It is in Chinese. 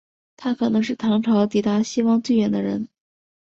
他可能是唐朝抵达西方最远的人。